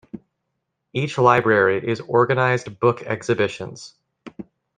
Each library is organized book exhibitions.